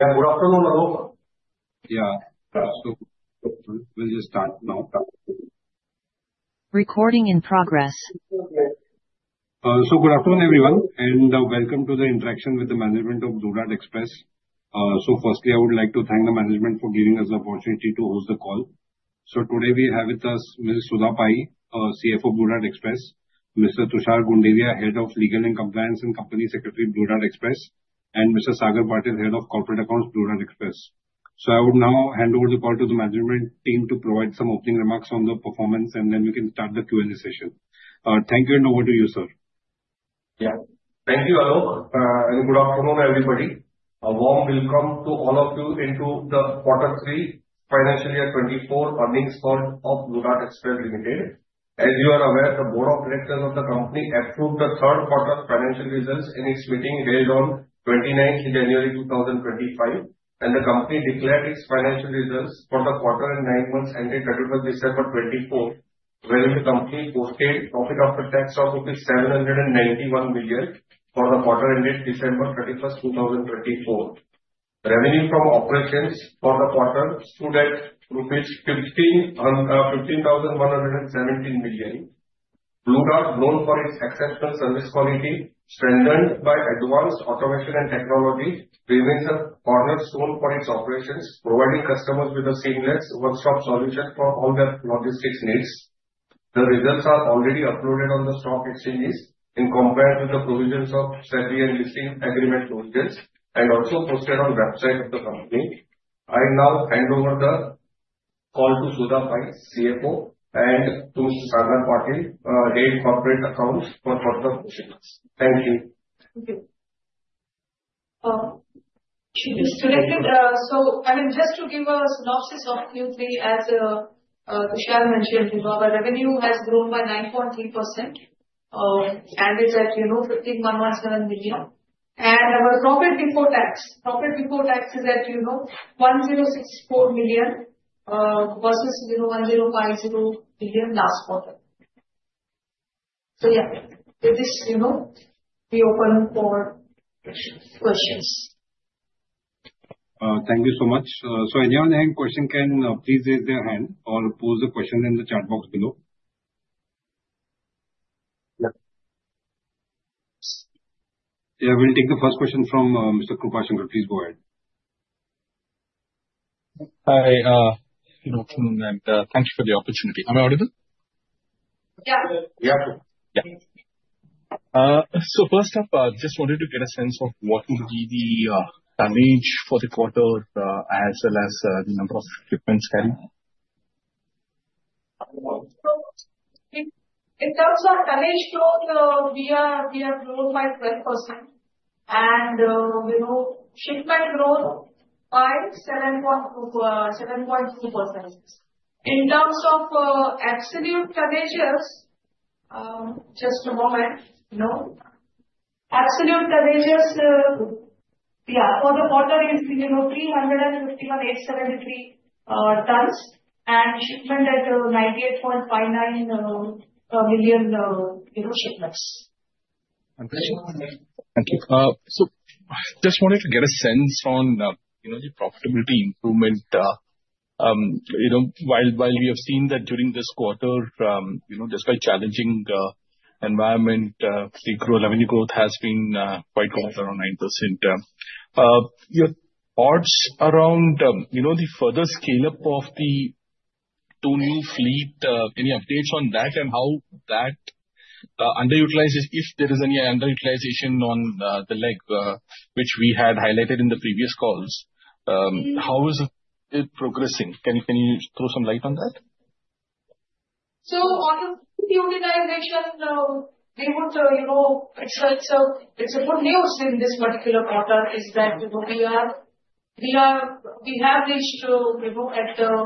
Good afternoon, all of you. Yeah. So we'll just start now. Recording in progress. Good afternoon, everyone, and welcome to the interaction with the management of Blue Dart Express. Firstly, I would like to thank the management for giving us the opportunity to host the call. Today we have with us Ms. Sudha Pai, CFO of Blue Dart Express, Mr. Tushar Gunderia, Head of Legal and Compliance and Company Secretary, Blue Dart Express, and Mr. Sagar Patel, Head of Corporate Accounts, Blue Dart Express. I would now hand over the call to the management team to provide some opening remarks on the performance, and then we can start the Q&A session. Thank you, and over to you, sir. Yeah. Thank you, Alok. And good afternoon, everybody. A warm welcome to all of you into the Q3 Financial Year 24 earnings call of Blue Dart Express Limited. As you are aware, the Board of Directors of the company approved the third quarter financial results in its meeting held on 29th January 2025, and the company declared its financial results for the quarter-end nine months ended 31st December 2024, wherein the company posted profit after tax of rupees 791 million for the quarter-ended December 31st, 2024. Revenue from operations for the quarter stood at 15,117 million. Blue Dart, known for its exceptional service quality, strengthened by advanced automation and technology, remains a cornerstone for its operations, providing customers with a seamless one-stop solution for all their logistics needs. The results are already uploaded on the stock exchanges in compliance with the provisions of SEBI and Listing Agreement provisions, and also posted on the website of the company. I now hand over the call to Sudha Pai, CFO, and to Mr. Sagar Patel, Head of Corporate Accounts, for further proceedings. Thank you. Thank you. Should we start? So I mean, just to give a synopsis of Q3, as Tushar mentioned, our revenue has grown by 9.3%, and it's at 15,117 million. And our profit before tax, profit before tax is at 1,064 million versus 1,050 million last quarter. So yeah, with this, we open for questions. Thank you so much. So anyone having a question can please raise their hand or post the question in the chat box below. Yeah, we'll take the first question from Mr. Krupashankar. Please go ahead. Hi, good afternoon, and thanks for the opportunity. Am I audible? Yeah. Yeah. So first up, I just wanted to get a sense of what would be the tonnage for the quarter as well as the number of shipments carried? In terms of tonnage growth, we are growing by 12%, and shipment growth by 7.2%. In terms of absolute tonnages, just a moment. Absolute tonnages, yeah, for the quarter is 351,873 tons, and shipment at 98.59 million shipments. Thank you. So just wanted to get a sense on the profitability improvement. While we have seen that during this quarter, despite challenging environment, revenue growth has been quite good, around 9%. Your thoughts around the further scale-up of the two-new fleet, any updates on that, and how that underutilizes, if there is any underutilization on the leg, which we had highlighted in the previous calls? How is it progressing? Can you throw some light on that? So on the utilization, the good news in this particular quarter is that we have reached the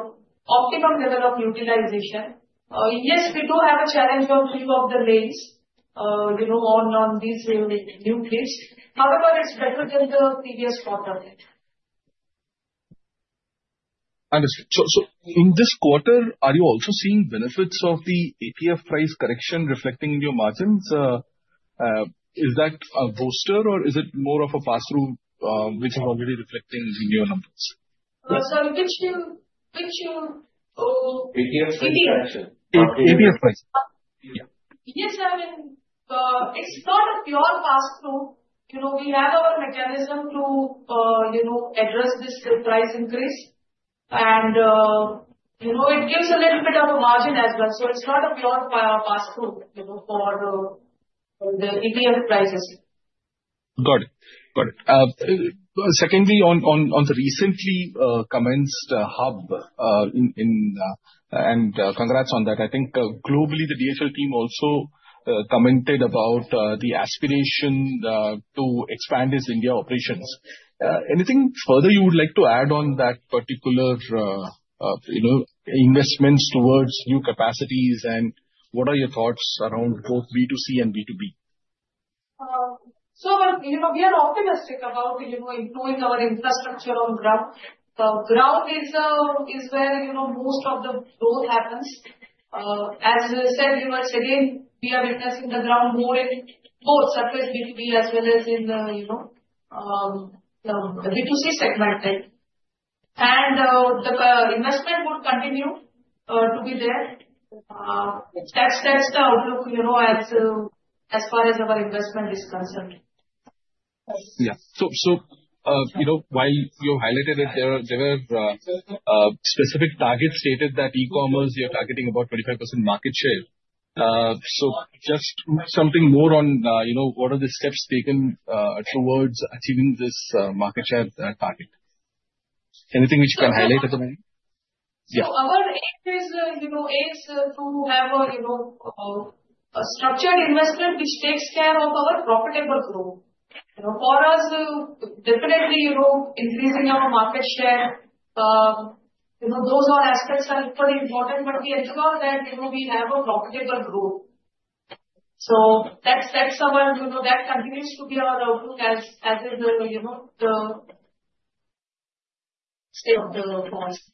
optimum level of utilization. Yes, we do have a challenge of low utilization of the lanes on these new fleets. However, it's better than the previous quarter. Understood. So in this quarter, are you also seeing benefits of the ATF price correction reflecting in your margins? Is that a booster, or is it more of a pass-through, which is already reflecting in your numbers? So which you. ATF price correction. ATF price. Yeah. Yes, I mean, it's not a pure pass-through. We have our mechanism to address this price increase, and it gives a little bit of a margin as well. So it's not a pure pass-through for the ATF prices. Got it. Got it. Secondly, on the recently commenced hub, and congrats on that, I think globally, the DHL team also commented about the aspiration to expand its India operations. Anything further you would like to add on that particular investments towards new capacities, and what are your thoughts around both B2C and B2B? So we are optimistic about employing our infrastructure on ground. Ground is where most of the growth happens. As said, we are witnessing the ground more in both, such as B2B as well as in the B2C segment, and the investment would continue to be there. That's the outlook as far as our investment is concerned. Yeah. So while you highlighted it, there were specific targets stated that e-commerce, you're targeting about 25% market share. So just something more on what are the steps taken towards achieving this market share target? Anything which you can highlight at the moment? Our aim is to have a structured investment which takes care of our profitable growth. For us, definitely increasing our market share, those all aspects are equally important, but we endeavor that we have a profitable growth. That's our that continues to be our outlook as is the state, of course.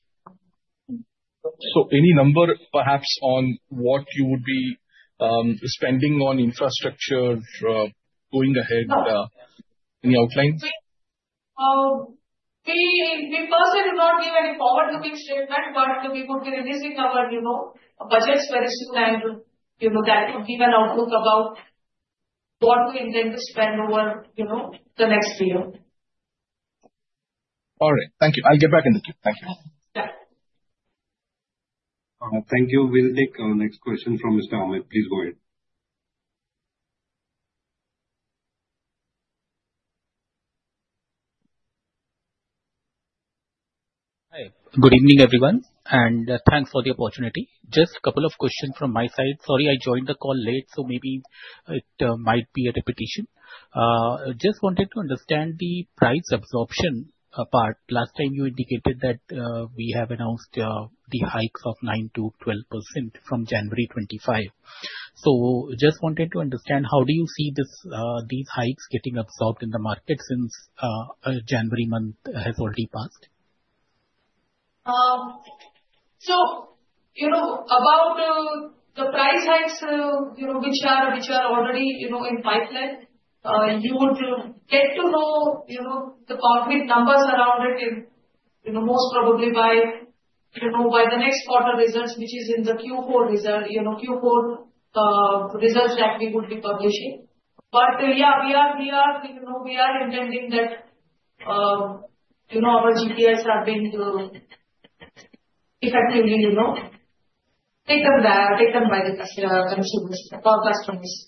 So any number perhaps on what you would be spending on infrastructure going ahead? Any outlines? We personally do not give any forward-looking statement, but we would be releasing our budgets very soon, and that would be an outlook about what we intend to spend over the next year. All right. Thank you. I'll get back in the queue. Thank you. Thank you. We'll take our next question from Mr. Ahmed. Please go ahead. Hi. Good evening, everyone, and thanks for the opportunity. Just a couple of questions from my side. Sorry, I joined the call late, so maybe it might be a repetition. Just wanted to understand the price absorption part. Last time, you indicated that we have announced the hikes of 9%-12% from January 25. Just wanted to understand how you see these hikes getting absorbed in the market since January month has already passed? So about the price hikes, which are already in the pipeline, you would get to know the concrete numbers around it, most probably by the next quarter results, which is in the Q4 results that we would be publishing. But yeah, we are intending that our GPIs are being effectively taken by the consumers, our customers.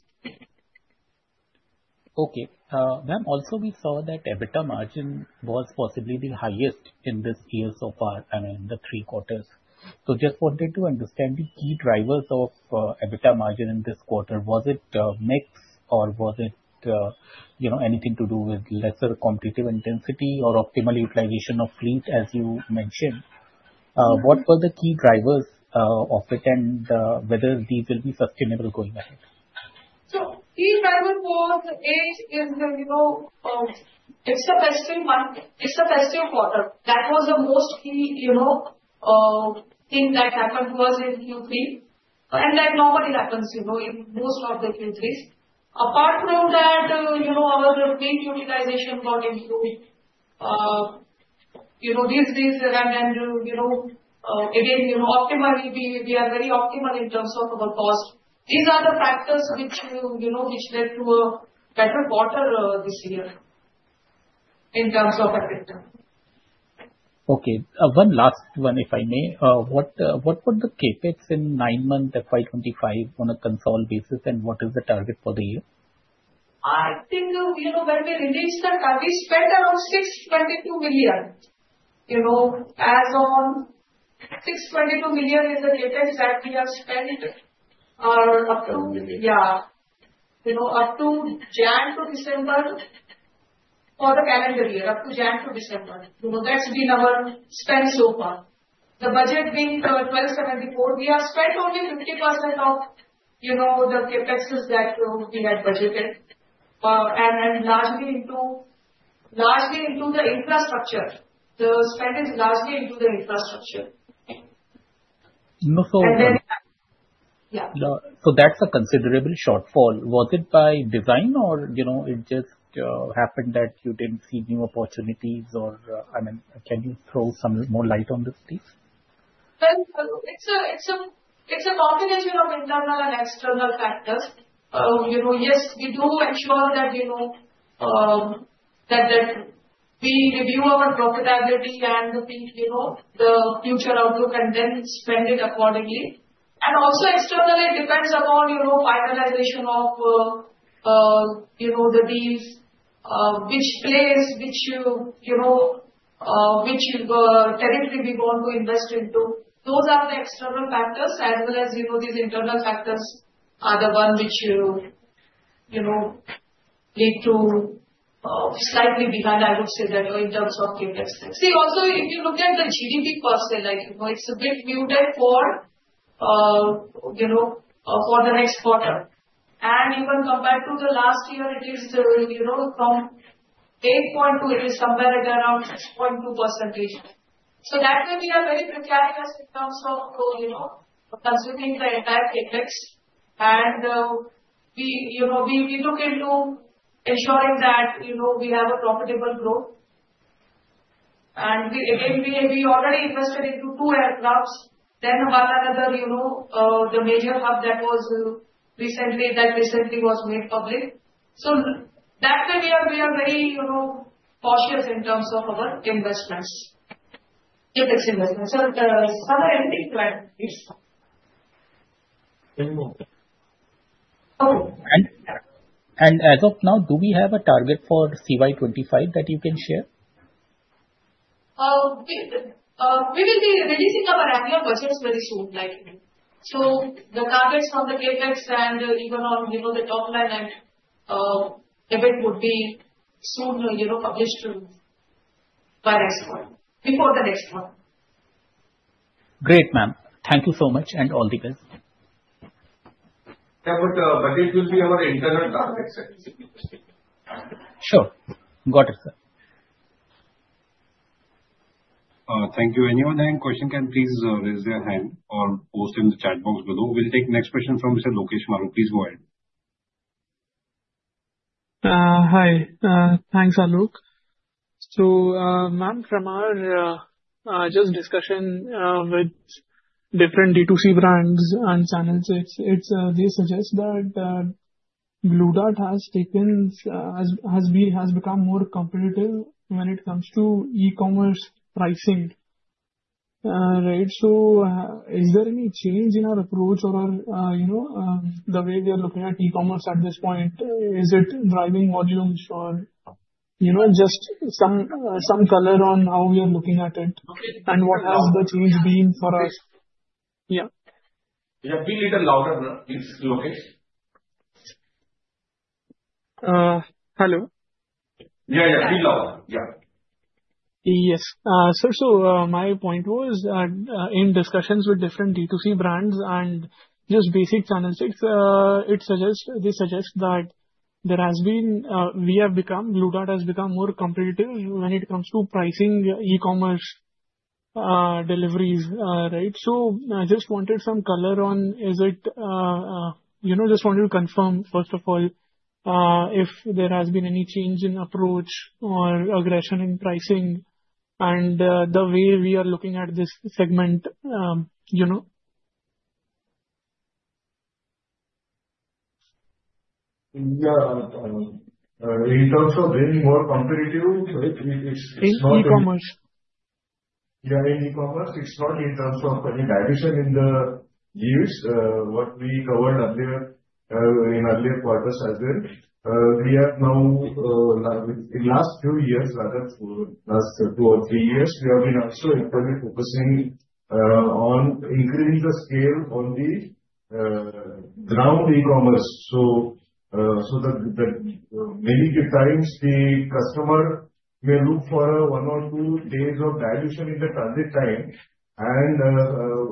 Okay. Ma'am, also we saw that EBITDA margin was possibly the highest in this year so far, I mean, in the three quarters. So just wanted to understand the key drivers of EBITDA margin in this quarter. Was it mix or was it anything to do with lesser competitive intensity or optimal utilization of fleet, as you mentioned? What were the key drivers of it and whether these will be sustainable going ahead? So key driver for Q3 is it's a festive month. It's a festive quarter. That was the most key thing that happened to us in Q3, and that normally happens in most of the countries. Apart from that, our fleet utilization got improved these days, and again, optimally, we are very optimal in terms of our cost. These are the factors which led to a better quarter this year in terms of EBITDA. Okay. One last one, if I may. What were the Capex in nine-month FY25 on a consolidated basis, and what is the target for the year? I think when we released the target, we spent around INR 622 million. As on 622 million is the CapEx that we have spent up to, yeah, up to January to December for the calendar year, up to January to December. That's been our spend so far. The budget being 1,274, we have spent only 50% of the CapExes that we had budgeted, and largely into the infrastructure. The spend is largely into the infrastructure. And so that's a considerable shortfall. Was it by design, or it just happened that you didn't see new opportunities, or I mean, can you throw some more light on this, please? It's a combination of internal and external factors. Yes, we do ensure that we review our profitability and the future outlook, and then spend it accordingly. Also externally, it depends upon finalization of the deals, which place, which territory we want to invest into. Those are the external factors, as well as these internal factors are the one which lead to slightly behind, I would say, in terms of Capex. See, also, if you look at the GDP per se, it's a bit muted for the next quarter. Even compared to the last year, it is from 8.2%, it is somewhere at around 6.2%. That way, we are very precarious in terms of consuming the entire Capex. We look into ensuring that we have a profitable growth. Again, we already invested into two aircrafts, then one another, the major hub that was recently made public. That way, we are very cautious in terms of our investments, Capex investments. Some are entering to end. As of now, do we have a target for CY 2025 that you can share? We will be releasing our annual budgets very soon, like you know. So the targets on the Capex and even on the top line and EBIT would be soon published by next quarter, before the next quarter. Great, ma'am. Thank you so much and all the best. Yeah, but budget will be our internal targets. Sure. Got it, sir. Thank you. Anyone have any question? Can please raise their hand or post in the chat box below. We'll take next question from Mr. Lokesh Maru. Please go ahead. Hi. Thanks, Alok. So ma'am, from our just discussion with different D2C brands and channels, they suggest that Blue Dart has become more competitive when it comes to e-commerce pricing. Right? So is there any change in our approach or the way we are looking at e-commerce at this point? Is it driving volumes or just some color on how we are looking at it? And what has the change been for us? Yeah. Yeah. Be a little louder, please, Lokesh. Hello? Yeah, yeah. Be louder. Yeah. Yes, so my point was, in discussions with different D2C brands and just basic channels, they suggest that there has been. Blue Dart has become more competitive when it comes to pricing e-commerce deliveries. Right? So I just wanted some color on, is it? Just wanted to confirm, first of all, if there has been any change in approach or aggression in pricing and the way we are looking at this segment. Yeah. In terms of being more competitive, it's not. In e-commerce. Yeah, in e-commerce, it's not in terms of any dimension in the use. What we covered earlier in earlier quarters as well. We have now, in last few years, rather, last two or three years, we have been also equally focusing on increasing the scale on the ground e-commerce. So many times, the customer may look for one or two days of dilution in the transit time. And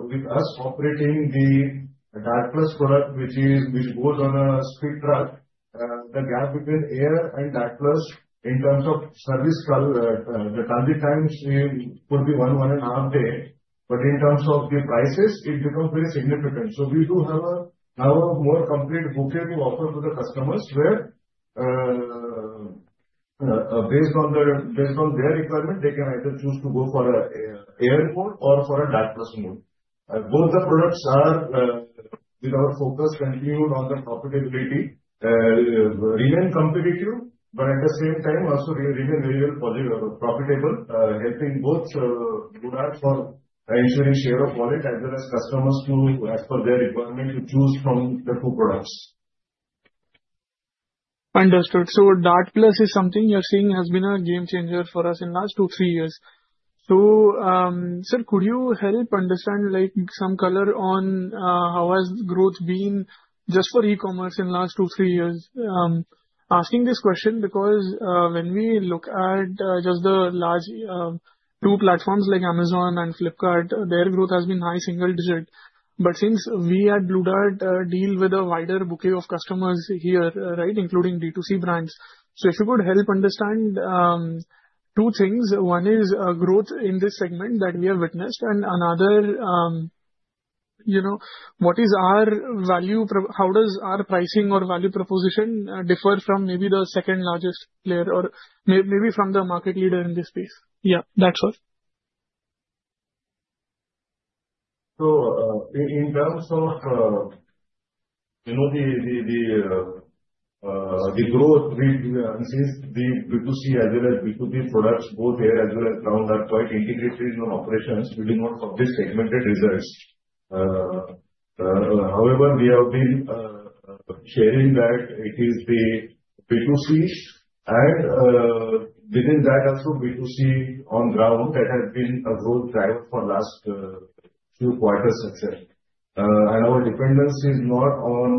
with us operating the Dart Plus product, which goes on a speed truck, the gap between air and Dart Plus in terms of service, the transit times could be one, one and a half day. But in terms of the prices, it becomes very significant. So we do have a more complete bouquet to offer to the customers where, based on their requirement, they can either choose to go for an air mode or for a Dart Plus mode. Both the products are, with our focus continued on the profitability, remain competitive, but at the same time, also remain very well profitable, helping both Blue Dart for ensuring share of wallet as well as customers to, as per their requirement, choose from the two products. Understood. So Dart Plus is something you're seeing has been a game changer for us in the last two, three years. So sir, could you help understand some color on how has the growth been just for e-commerce in the last two, three years? Asking this question because when we look at just the large two platforms like Amazon and Flipkart, their growth has been high single digit. But since we at Blue Dart deal with a wider bouquet of customers here, right, including D2C brands, so if you could help understand two things. One is growth in this segment that we have witnessed, and another, what is our value? How does our pricing or value proposition differ from maybe the second largest player or maybe from the market leader in this space? Yeah, that's all. So in terms of the growth, we see the B2C as well as B2B products, both air as well as ground, are quite integrated in our operations. We do not publish segmented results. However, we have been sharing that it is the B2C, and within that, also B2C on ground, that has been a growth driver for the last few quarters and so. And our dependency is not on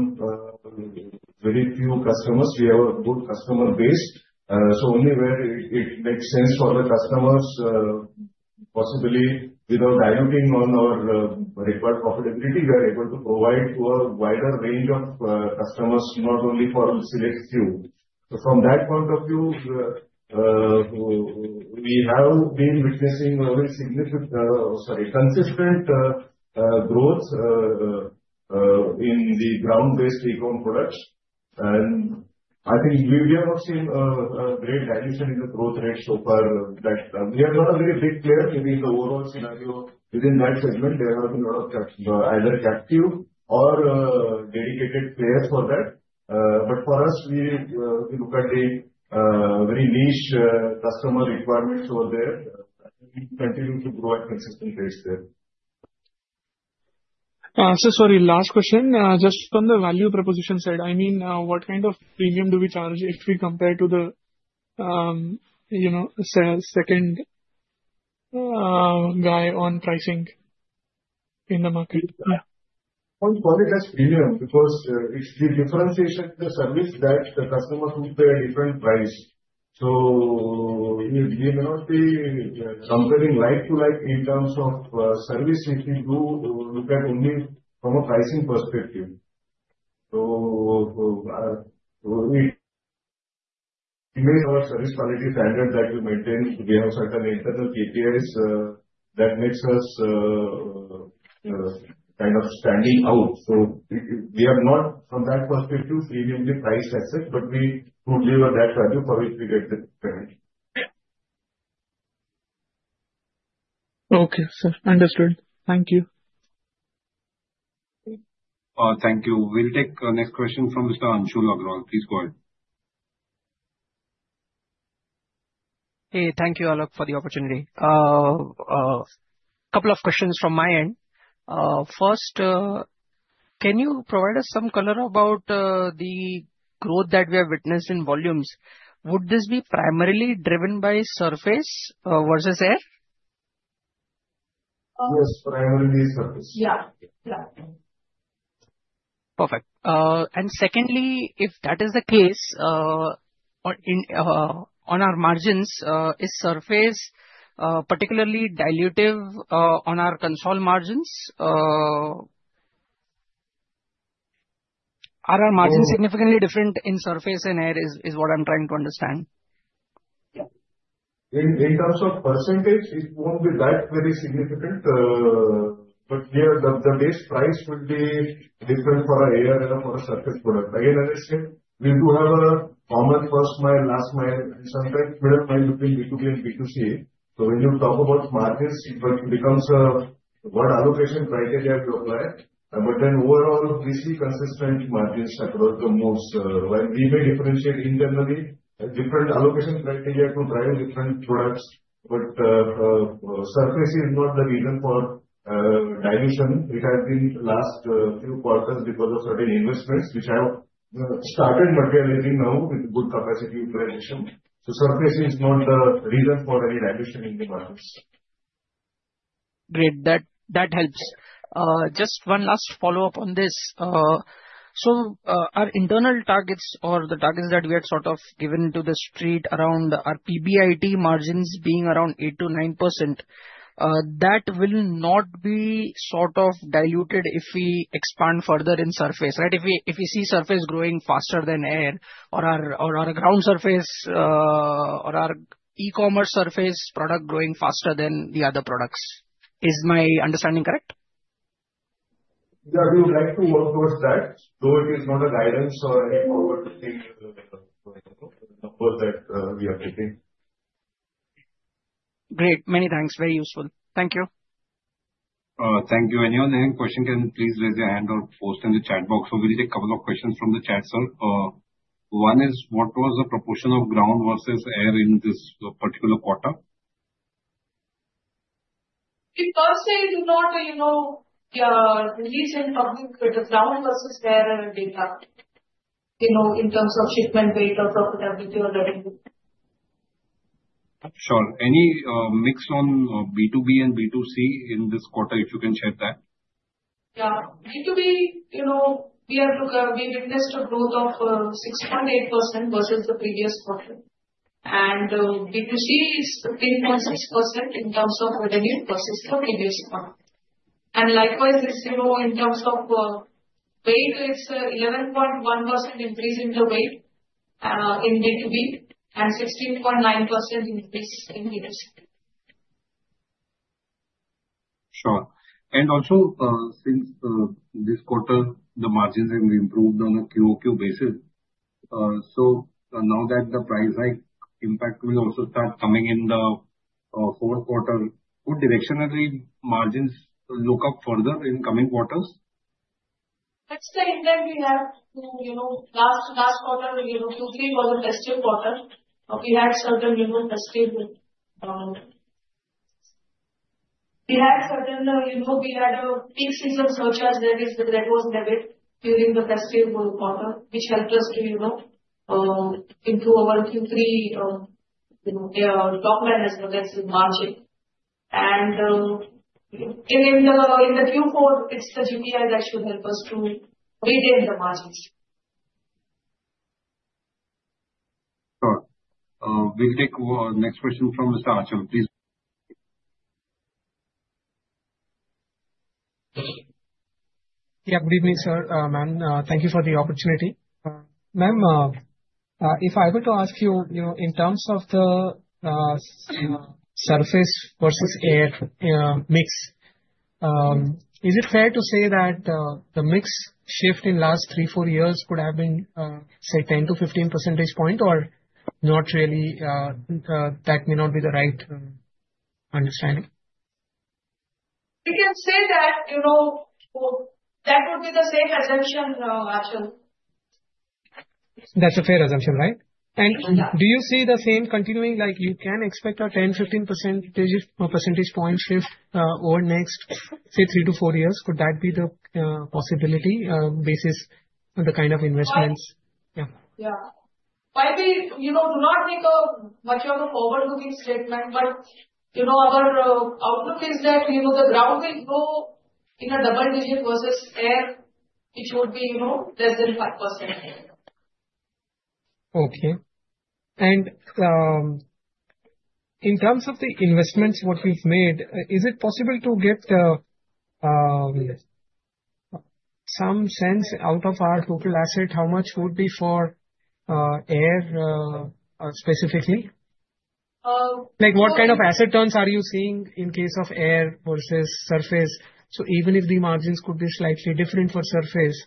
very few customers. We have a good customer base. So only where it makes sense for the customers, possibly without diluting on our required profitability, we are able to provide to a wider range of customers, not only for a select few. So from that point of view, we have been witnessing a very significant, sorry, consistent growth in the ground-based e-commerce products. And I think we have seen a great dilution in the growth rates so far. We have not a very big player. Maybe in the overall scenario, within that segment, there have been a lot of either captive or dedicated players for that. But for us, we look at the very niche customer requirements over there. We continue to grow at consistent rates there. Sir, sorry, last question. Just from the value proposition side, I mean, what kind of premium do we charge if we compare to the second guy on pricing in the market? Point quality has premium because it's the differentiation in the service that the customer could pay a different price. So we may not be comparing like to like in terms of service if you do look at only from a pricing perspective. So it may. Our service quality standard that we maintain, we have certain internal KPIs that makes us kind of standing out. So we are not, from that perspective, premiumly priced as such, but we could deliver that value for which we get the credit. Okay, sir. Understood. Thank you. Thank you. We'll take next question from Mr. Anshul Agrawal. Please go ahead. Hey, thank you, Alok, for the opportunity. A couple of questions from my end. First, can you provide us some color about the growth that we have witnessed in volumes? Would this be primarily driven by surface versus air? Yes, primarily surface. Yeah. Yeah. Perfect. And secondly, if that is the case, on our margins, is surface particularly dilutive on our consolidated margins? Are our margins significantly different in surface and air, is what I'm trying to understand. Yeah. In terms of percentage, it won't be that very significant. But here, the base price will be different for an air and for a surface product. Again, as I said, we do have a common first mile, last mile, and sometimes middle mile between B2B and B2C. So when you talk about margins, it becomes a what allocation criteria we apply. But then overall, we see consistent margins across the most. We may differentiate internally different allocation criteria to drive different products. But surface is not the reason for dilution. It has been last few quarters because of certain investments which have started materializing now with good capacity utilization. So surface is not the reason for any dilution in the markets. Great. That helps. Just one last follow-up on this. So our internal targets or the targets that we had sort of given to the street around our EBIT margins being around 8%-9%, that will not be sort of diluted if we expand further in surface, right? If we see surface growing faster than air or our ground surface or our e-commerce surface product growing faster than the other products. Is my understanding correct? Yeah, we would like to work towards that. Though it is not a guidance or any forward-looking numbers that we are taking. Great. Many thanks. Very useful. Thank you. Thank you. Anyone have any question? Can please raise your hand or post in the chat box. So we'll take a couple of questions from the chat, sir. One is, what was the proportion of ground versus air in this particular quarter? We personally do not release in public the ground versus air data in terms of shipment weight or profitability or revenue. Sure. Any mix on B2B and B2C in this quarter, if you can share that? Yeah. B2B, we witnessed a growth of 6.8% versus the previous quarter. And B2C is 13.6% in terms of revenue versus the previous quarter. And likewise, in terms of weight, it's 11.1% increase in the B2B and 16.9% increase in B2C. Sure. And also, since this quarter, the margins have improved on a QOQ basis. So now that the price hike impact will also start coming in the fourth quarter, would directionally margins look up further in coming quarters? Let's say that last quarter, Q3 was a festive quarter. We had a peak season surcharge that was levied during the festive quarter, which helped us to improve our Q3 top line as well as the margin. In the Q4, it's the GPI that should help us to regain the margins. Sure. We'll take next question from Mr. Anshul, please. Yeah, good evening, sir, ma'am. Thank you for the opportunity. Ma'am, if I were to ask you, in terms of the surface versus air mix, is it fair to say that the mix shift in the last three, four years could have been, say, 10-15 percentage points or not really? That may not be the right understanding. We can say that that would be the same assumption, Anshul. That's a fair assumption, right? And do you see the same continuing? You can expect a 10-15 percentage points shift over next, say, three to four years. Could that be the possibility based on the kind of investments? Yeah. Yeah. Maybe do not make much of a forward-looking statement, but our outlook is that the ground will grow in double digits versus air, which would be less than 5%. Okay. And in terms of the investments, what you've made, is it possible to get some sense out of our total asset? How much would be for air specifically? What kind of asset turns are you seeing in case of air versus surface? So even if the margins could be slightly different for surface,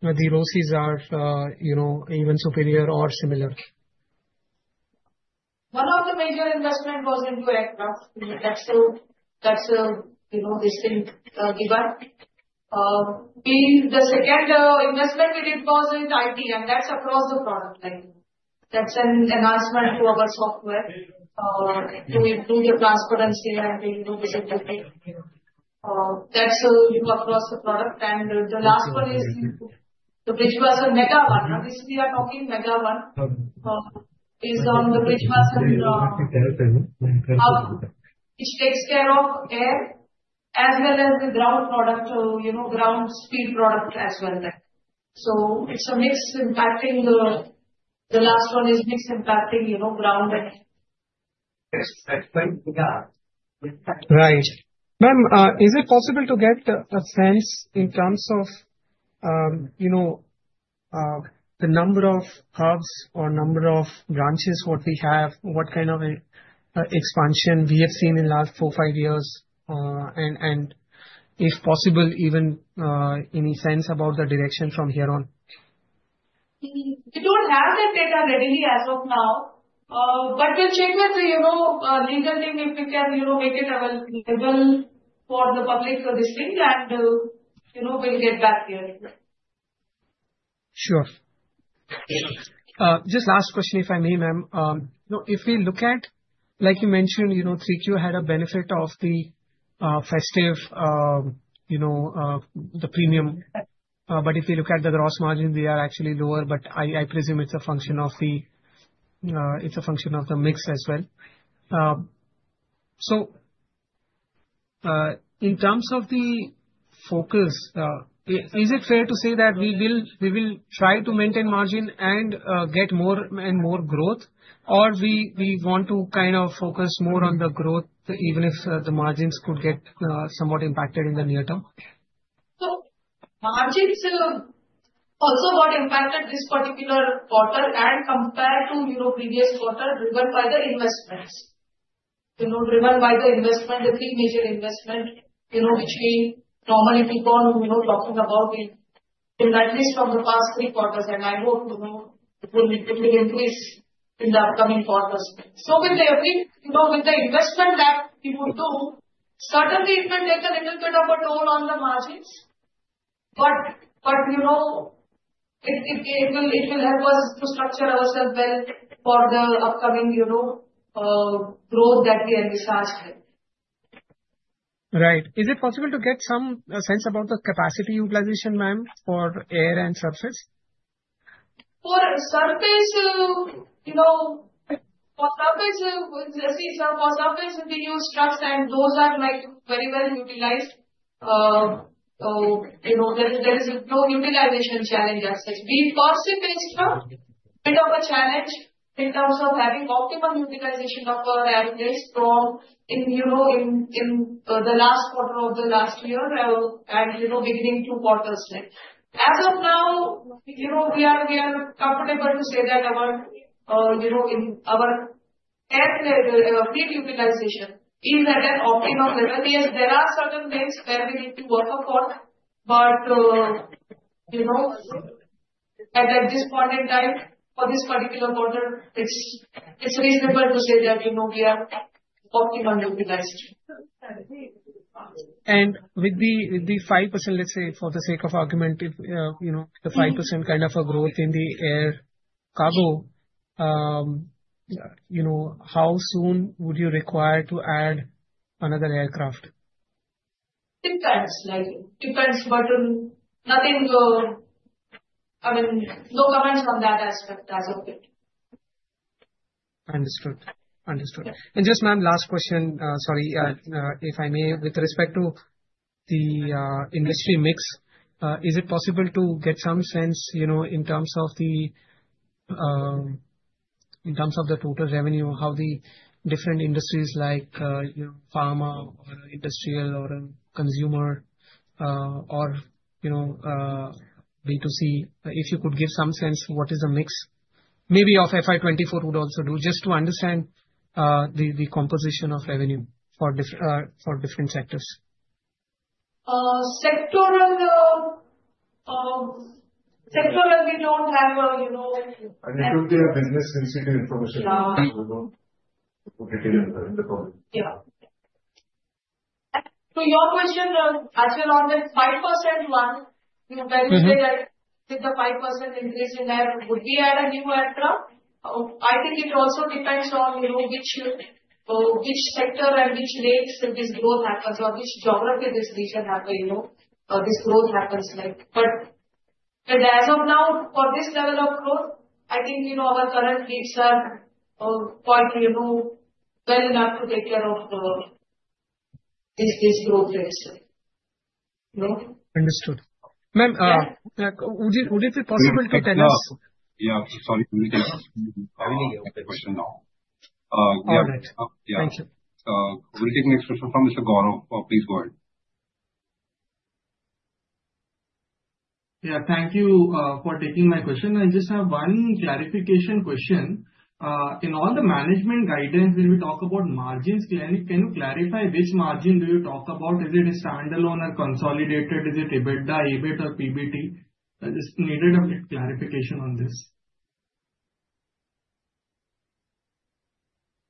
the ROCEs are even superior or similar? One of the major investments was into aircraft. That's a distinct divide. The second investment we did was in IT, and that's across the product. That's an announcement to our software to improve the transparency and visibility. That's across the product, and the last one is the Bhiwandi Mega Hub. This we are talking Mega One is on the Bhiwandi, which takes care of air as well as the ground product, ground speed product as well, so it's a mix impacting. The last one is mix impacting ground. Right. Ma'am, is it possible to get a sense in terms of the number of hubs or number of branches what we have, what kind of expansion we have seen in the last four, five years, and if possible, even any sense about the direction from here on? We don't have that data readily as of now, but we'll check with the legal team if we can make it available for the public domain, and we'll get back here. Sure. Just last question, if I may, ma'am. If we look at, like you mentioned, 3Q had a benefit of the festive, the premium. But if we look at the gross margin, they are actually lower, but I presume it's a function of the mix as well. So in terms of the focus, is it fair to say that we will try to maintain margin and get more and more growth, or we want to kind of focus more on the growth, even if the margins could get somewhat impacted in the near term? So, margins also got impacted this particular quarter and compared to previous quarter, driven by the investments. Driven by the investment, the three major investment between normally people talking about in at least from the past three quarters. And I hope it will increase in the upcoming quarters. So, with the investment that we would do, certainly it will take a little bit of a toll on the margins, but it will help us to structure ourselves well for the upcoming growth that we are in charge of. Right. Is it possible to get some sense about the capacity utilization, ma'am, for air and surface? For surface, you see, we use trucks, and those are very well utilized. So there is no utilization challenge as such. We perceive it's a bit of a challenge in terms of having optimal utilization of our airflow in the last quarter of the last year and beginning two quarters. As of now, we are comfortable to say that our airflow fleet utilization is at an optimum level. Yes, there are certain things where we need to work upon, but at this point in time, for this particular quarter, it's reasonable to say that we are optimally utilized. With the 5%, let's say, for the sake of argument, the 5% kind of a growth in the air cargo, how soon would you require to add another aircraft? It depends. It depends, but nothing. I mean, no comments on that aspect as of it. Understood. Understood. And just, ma'am, last question, sorry, if I may, with respect to the industry mix, is it possible to get some sense in terms of the total revenue, how the different industries like pharma or industrial or consumer or B2C, if you could give some sense, what is the mix? Maybe of FY24 would also do just to understand the composition of revenue for different sectors. Sectoral, we don't have. I think they are business-sensitive information. We don't put it in the problem. Yeah. To your question, Anshul, on the 5% one, when you say that with the 5% increase in air, would we add a new aircraft? I think it also depends on which sector and which lanes this growth happens or which geography this region has this growth happens. But as of now, for this level of growth, I think our current needs are quite well enough to take care of this growth rate. Understood. Ma'am, would it be possible to tell us? Yeah. Sorry. I will take the question now. All right. Thank you. We'll take the next question from Mr. Gaurav. Please go ahead. Yeah. Thank you for taking my question. I just have one clarification question. In all the management guidance, when we talk about margins, can you clarify which margin do you talk about? Is it a standalone or consolidated? Is it EBITDA, EBIT, or PBT? I just needed a bit clarification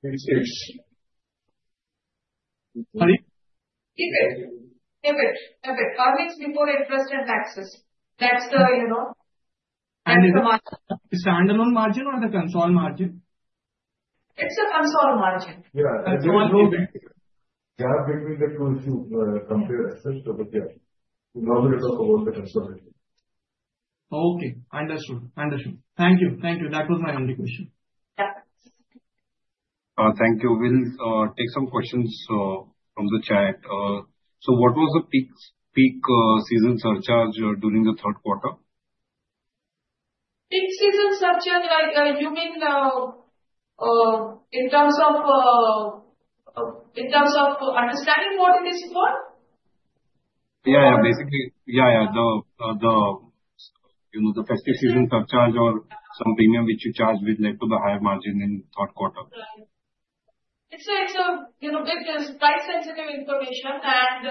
on this. EBIT, earnings before interest and taxes. That's the. Is it a standalone margin or the consolidated margin? It's a consolidated margin. Yeah. There's no gap between the two comparisons, but yeah, we normally talk about the consolidated margin. Okay. Understood. Understood. Thank you. Thank you. That was my only question. Thank you. We'll take some questions from the chat. So what was the peak season surcharge during the third quarter? Peak Season Surcharge, you mean in terms of understanding what it is for? Yeah, yeah. Basically, yeah, yeah. The festive season surcharge or some premium which you charge with to the higher margin in the third quarter. It's a bit price-sensitive information, and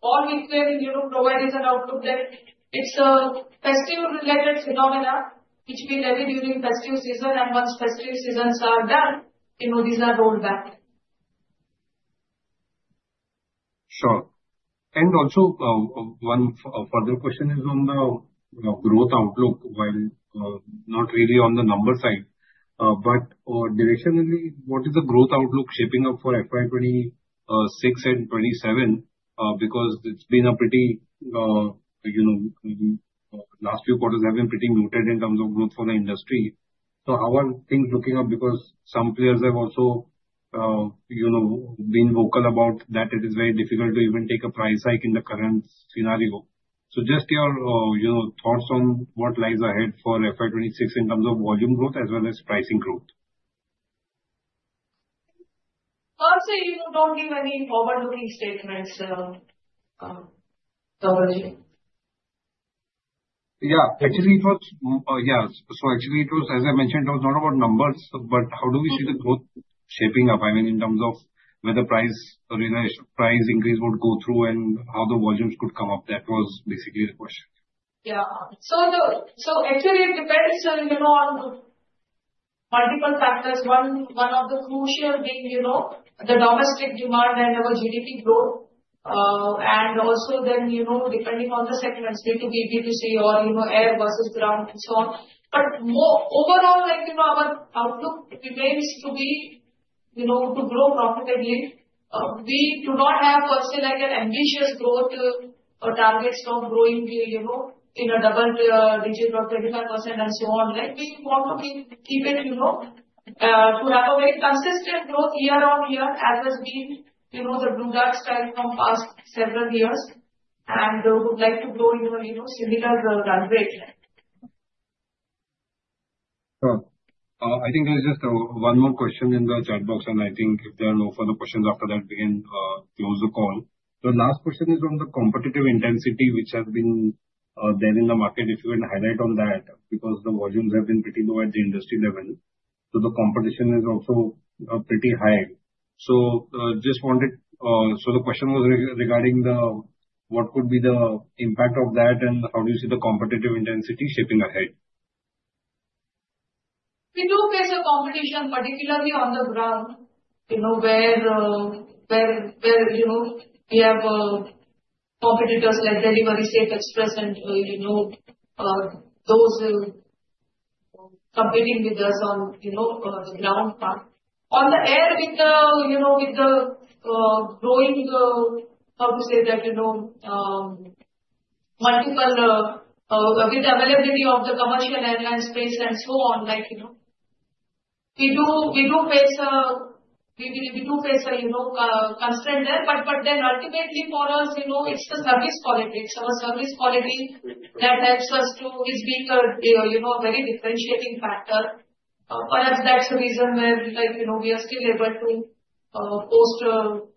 all we can provide is an outlook that it's a festive-related phenomena which we levy during festive season, and once festive seasons are done, these are rolled back. Sure. And also, one further question is on the growth outlook, while not really on the number side, but directionally, what is the growth outlook shaping up for FY 26 and FY 27? Because the past few quarters have been pretty muted in terms of growth for the industry. So how are things looking up? Because some players have also been vocal about that it is very difficult to even take a price hike in the current scenario. So just your thoughts on what lies ahead for FY 26 in terms of volume growth as well as pricing growth? Firstly, don't give any forward-looking statements, Dr. G. Actually, as I mentioned, it was not about numbers, but how we see the growth shaping up. I mean, in terms of whether price increase would go through and how the volumes could come up. That was basically the question. Yeah. So actually, it depends on multiple factors. One of the crucial being the domestic demand and our GDP growth, and also then, depending on the segments, B2B, B2C, or air versus ground, and so on, but overall, our outlook remains to be to grow profitably. We do not have personally an ambitious growth targets of growing in a double digit or 25% and so on. We want to keep it to have a very consistent growth year on year, as has been the Blue Dart style from past several years, and would like to grow similar run rate. Sure. I think there's just one more question in the chat box, and I think if there are no further questions after that, we can close the call. The last question is on the competitive intensity which has been there in the market. If you can highlight on that, because the volumes have been pretty low at the industry level, so the competition is also pretty high. So just wanted, so the question was regarding what could be the impact of that and how do you see the competitive intensity shaping ahead? We do face a competition, particularly on the ground, where we have competitors like Delhivery, Safexpress and those competing with us on the ground. On the air, with the growing, how to say that, multiple with the availability of the commercial airline space and so on, we do face a constraint there. But then ultimately for us, it's the service quality. It's our service quality that helps us to is being a very differentiating factor. Perhaps that's the reason where we are still able to post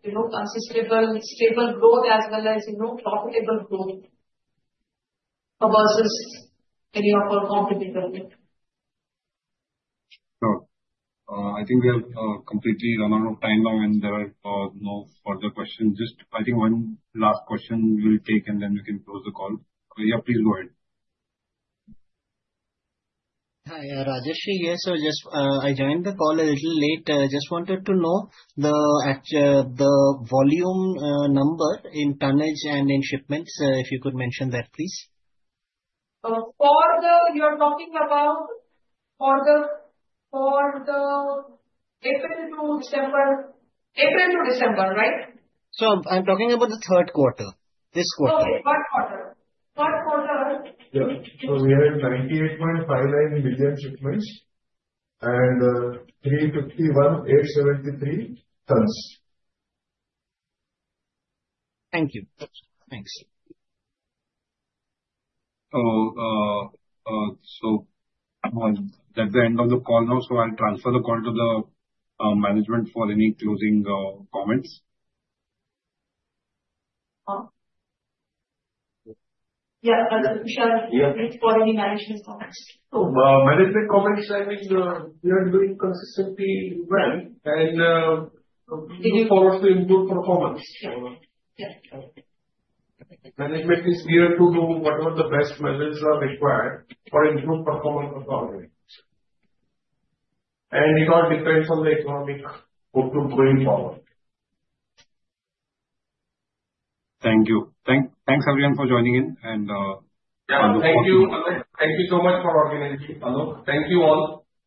consistent stable growth as well as profitable growth versus any of our competitors. Sure. I think we have completely run out of time now, and there are no further questions. Just I think one last question we'll take, and then we can close the call. Yeah, please go ahead. Hi, Rajesh. Yes, so I joined the call a little late. Just wanted to know the volume number in tonnage and in shipments, if you could mention that, please. You are talking about for the April to December, right? I'm talking about the third quarter, this quarter. Okay, third quarter. Third quarter. Yeah. So we have 98.59 million shipments and 351,873 tons. Thank you. Thanks. So that's the end of the call now. So I'll transfer the call to the management for any closing comments. Yeah, Sagar Patel for any management comments? Management comments, I mean, we are doing consistently well and looking forward to improve performance. Management is geared to do whatever the best measures are required for improved performance of our rate, and it all depends on the economic outlook going forward. Thank you. Thanks everyone for joining in and. Yeah, thank you. Thank you so much for organizing. Thank you all.